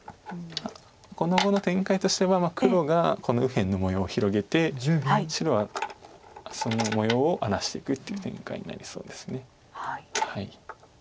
この碁の展開としては黒がこの右辺の模様を広げて白はその模様を荒らしていくという展開になりそうです。